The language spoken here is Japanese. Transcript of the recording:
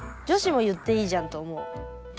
女子も言っていいじゃんと思う。